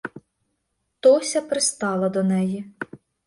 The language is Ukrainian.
Тося пристала до неї.